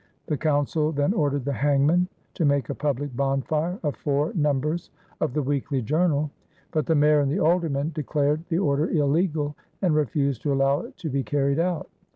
The Council then ordered the hangman to make a public bonfire of four numbers of the Weekly Journal; but the mayor and the aldermen declared the order illegal and refused to allow it to be carried out.